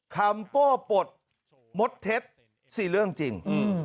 โป้ปลดมดเท็จ๔เรื่องจริง